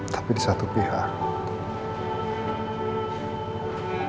tapi di satu pihak